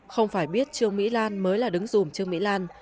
không phải biết trương mỹ lan mới là đứng dùm trương mỹ lan